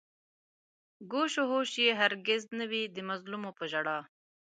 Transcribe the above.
گوش و هوش يې هر گِز نه وي د مظلومو په ژړا